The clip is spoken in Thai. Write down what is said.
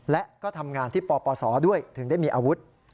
และก็ทำงานที่ปปศด้วยถึงได้มีอาวุธ